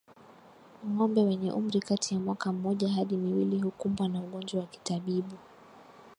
Ngombe wenye umri kati ya mwaka mmoja hadi miwili hukumbwa na ugonjwa wa kitabibu